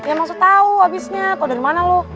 ya maksud tau abisnya kok dari mana lo